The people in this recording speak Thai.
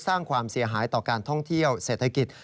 สร้างความเสียหายต่อการท่องเที่ยวเศรษฐกิจ